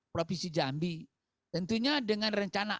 provinsi jambi tentunya dengan rencana